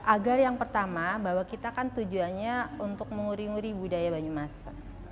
agar yang pertama bahwa kita kan tujuannya untuk menguri nguri budaya banyumas